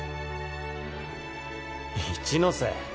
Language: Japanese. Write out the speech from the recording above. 一ノ瀬。